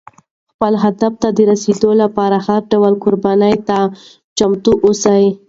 خپل هدف ته د رسېدو لپاره هر ډول قربانۍ ته چمتو اوسه.